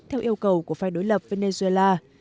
theo yêu cầu của phe đối lập venezuela